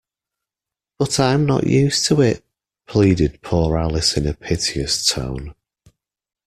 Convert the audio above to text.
‘But I’m not used to it!’ pleaded poor Alice in a piteous tone.